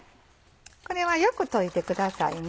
これはよく溶いてくださいね。